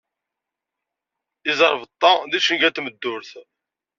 Imẓerbeḍḍa d icenga n tmeddurt.